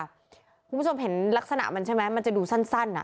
คุณผู้ชมเห็นลักษณะมันใช่ไหมมันจะดูสั้น